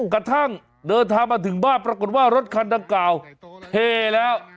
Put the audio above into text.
กระทั่งเดินทางมาถึงบ้านปรากฏว่ารถคันดังกล่าวเทแล้ว